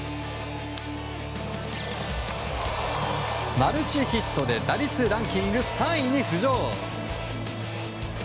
マルチヒットで打率ランキング３位に浮上。